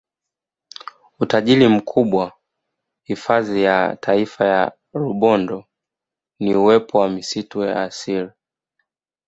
Utajiri mkubwa hifadhi ya Taifa ya Rubondo ni uwepo wa misitu ya asili